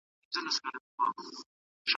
په اوسنیو پېړیو کي سیاست پرمختګ نه دی کړی.